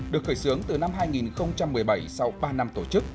được khởi xướng từ năm hai nghìn một mươi bảy sau ba năm tổ chức